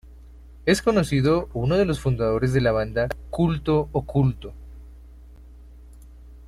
Es conocido uno de los fundadores de la banda Culto Oculto.